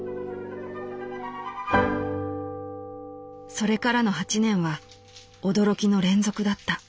「それからの八年は驚きの連続だった。